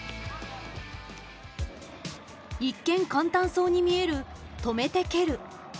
一見簡単そうに見える「止めて蹴る」。